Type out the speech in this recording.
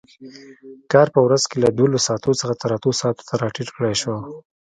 کار په ورځ کې له دولس ساعتو څخه اتو ساعتو ته راټیټ کړای شو.